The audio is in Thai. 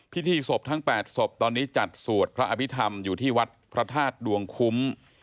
พิธีศพทั้ง๘ศพตอนนี้จัดสวดพระอภิษฐรรมอยู่ที่วัดพระธาตุดวงคุ้ม